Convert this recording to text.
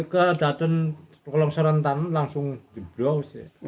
kedatun kalau serentan langsung jebol